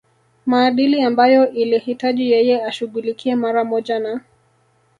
maadili ambayo ilihitaji yeye ashughulikie mara moja na